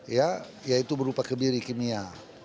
ya yaitu berupa kebiri kimia